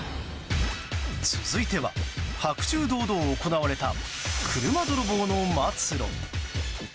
続いては、白昼堂々行われた車泥棒の末路。